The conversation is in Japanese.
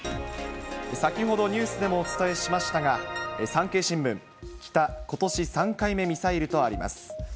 先ほどニュースでもお伝えしましたが、産経新聞、北、ことし３回目ミサイルとあります。